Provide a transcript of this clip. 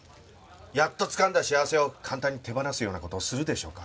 やっとつかんだ幸せを簡単に手放すような事をするでしょうか？